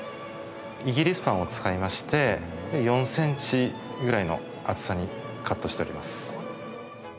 イギリスパンを使いまして４ｃｍくらいの厚さにカットしております。